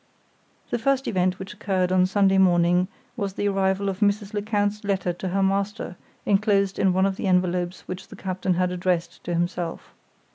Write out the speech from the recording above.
The first event which occurred on Saturday morning was the arrival of Mrs. Lecount's letter to her master, inclosed in one of the envelopes which the captain had addressed to himself.